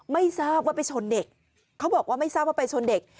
ไม่ทราบว่าไปชนเด็กเขาบอกว่าไม่ทราบว่าไปชนเด็ก